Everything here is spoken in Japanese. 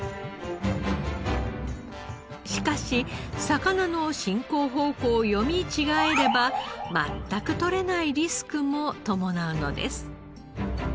しかし魚の進行方向を読み違えれば全く取れないリスクも伴うのです。